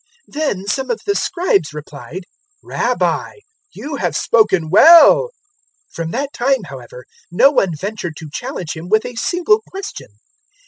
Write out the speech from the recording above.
020:039 Then some of the Scribes replied, "Rabbi, you have spoken well." 020:040 From that time, however, no one ventured to challenge Him with a single question.